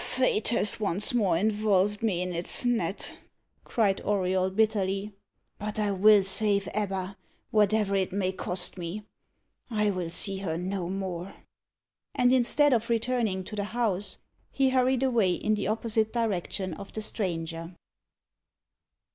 "Fate has once more involved me in its net," cried Auriol bitterly. "But I will save Ebba, whatever it may cost me. I will see her no more." And instead of returning to the house, he hurried away in the opposite direction of the stranger.